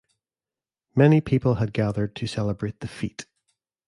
Many people had gathered to celebrate the feat.